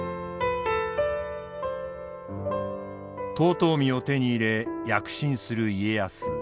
遠江を手に入れ躍進する家康。